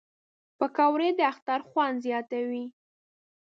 پکورې د اختر خوند زیاتوي